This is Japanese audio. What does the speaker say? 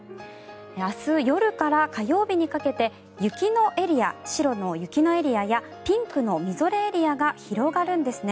明日夜から火曜日にかけて白の雪のエリアやピンクのみぞれエリアが広がるんですね。